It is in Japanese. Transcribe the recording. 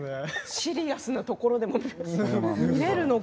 シリアスなところでも？